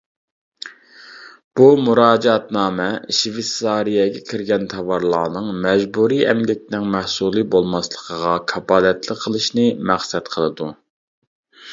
بۇ مۇراجىئەتنامە شىۋېيتسارىيەگە كىرگەن تاۋارلارنىڭ مەجبۇرىي ئەمگەكنىڭ مەھسۇلى بولماسلىقىغا كاپالەتلىك قىلىشنى مەقسەت قىلىدۇ.